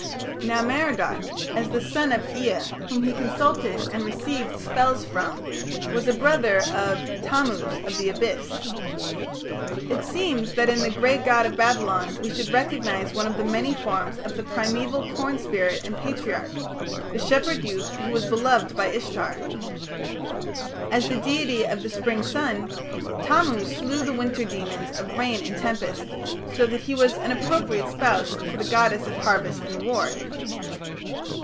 Now Merodach, as the son of Ea whom he consulted and received spells from, was a brother of "Tammuz of the Abyss". It seems that in the great god of Babylon we should recognize one of the many forms of the primeval corn spirit and patriarch the shepherd youth who was beloved by Ishtar. As the deity of the spring sun, Tammuz slew the winter demons of rain and tempest, so that he was an appropriate spouse for the goddess of harvest and war.